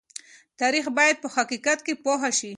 تاریخ باید په حقیقت پوه شي.